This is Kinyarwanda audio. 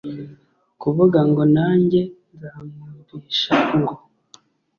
kuvuga ngo nanjye nzamwumvisha, ngo